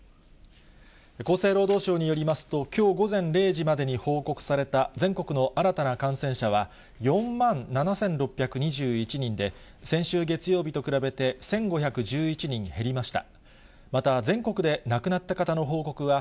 厚生労働省によりますと、きょう午前０時までに報告された全国の新たな感染者は、４万７６２１人で、先週月曜日と比べて１５１１人減りました。